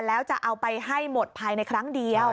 แล้วจะเอาไปให้หมดภายในครั้งเดียว